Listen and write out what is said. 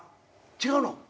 違うの？